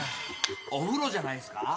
お風呂じゃないですか？